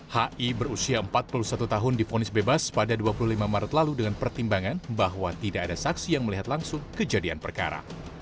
hi berusia empat puluh satu tahun difonis bebas pada dua puluh lima maret lalu dengan pertimbangan bahwa tidak ada saksi yang melihat langsung kejadian perkara